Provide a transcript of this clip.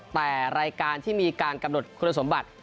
แต่รายการที่มีการกำหนดคุณสมบัติ